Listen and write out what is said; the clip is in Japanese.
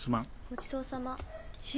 ごちそうさま。